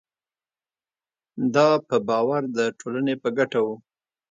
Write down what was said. دا په باور د ټولنې په ګټه وو.